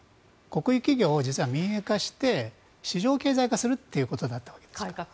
国有企業を実は民営化して市場経済化するということだったわけです。